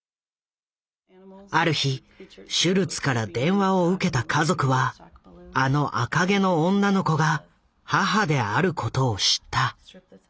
ある日シュルツから電話を受けた家族はあの赤毛の女の子が母であることを知った。